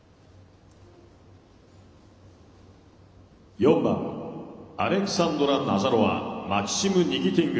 ４番アレクサンドラ・ナザロワマクシム・ニキーチン組。